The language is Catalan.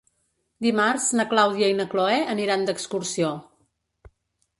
Dimarts na Clàudia i na Cloè aniran d'excursió.